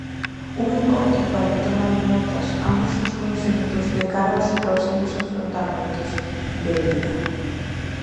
Un encontro para ir tomando notas ambos os conxuntos de cara ós próximos enfrontamentos de liga.